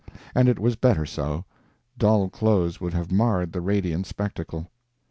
And it was better so; dull clothes would have marred the radiant spectacle.